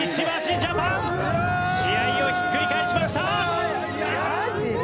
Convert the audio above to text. ジャパン試合をひっくり返しました！